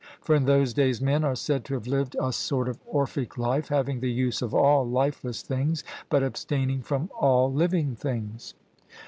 For in those days men are said to have lived a sort of Orphic life, having the use of all lifeless things, but abstaining from all living things.